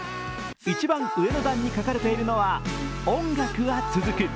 一番上の段に書かれているのは「音楽はつづく」。